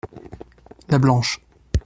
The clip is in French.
La blanche.